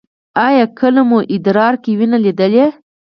ایا کله مو ادرار کې وینه لیدلې؟